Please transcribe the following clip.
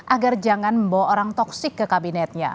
agar jangan membawa orang toksik ke kabinetnya